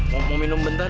mau minum bentar